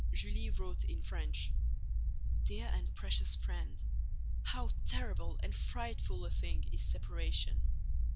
Julie wrote in French: Dear and precious Friend, How terrible and frightful a thing is separation!